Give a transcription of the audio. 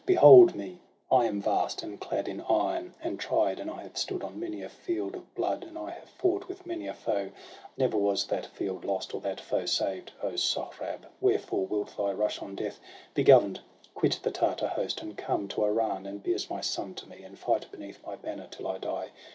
Behold me ! I am vast, and clad in iron. And tried ; and I have stood on many a field Of blood, and I have fought with many a foe — Never was that field lost, or that foe saved. O Sohrab, wherefore wilt thou rush on death? Be govern'd! quit the Tartar host, and come To Iran, and be as my son to me, And fight beneath my banner till I die.